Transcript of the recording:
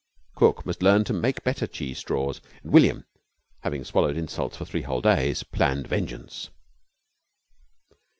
Cook must learn to make better cheese straws. And William, having swallowed insults for three whole days, planned vengeance.